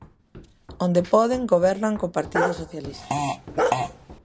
Onde poden, gobernan co Partido Socialista.